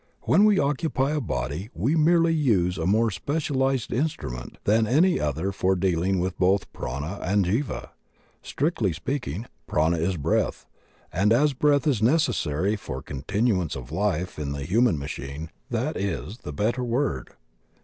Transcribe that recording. When we occupy a body we merely use a more specialized instrument than any other for dealing with both Prana and Jiva. Strictly speaking, Prana is breath; and as breath is necessary for continuance of life in the human machine, that is the better word.